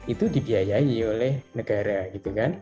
itu dibiayai oleh negara gitu kan